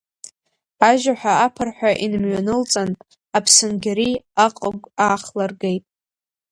Ажьаҳәа аԥырҳәа инымҩанылҵан, аԥсынгьыри аҟыгә аахлыргеит…